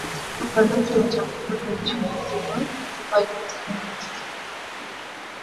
ufaransa na jamhuri ya china ndiyo waliyosaini mkataba huo